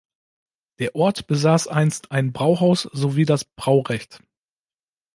Der Ort besaß einst ein Brauhaus sowie das Braurecht.